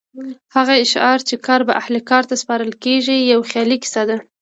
هغه شعار چې کار به اهل کار ته سپارل کېږي یو خیالي کیسه ده.